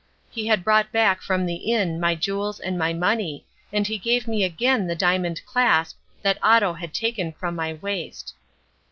He had brought back from the inn my jewels and my money, and he gave me again the diamond clasp that Otto had taken from my waist.